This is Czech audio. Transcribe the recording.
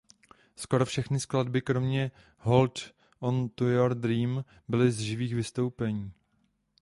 Skoro všechny skladby kromě "Hold on to Your Dream" byly z živých vystoupení.